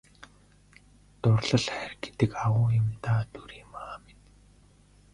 Дурлал хайр гэдэг агуу юм даа Дүүриймаа минь!